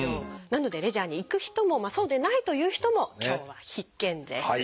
なのでレジャーに行く人もそうでないという人も今日は必見です。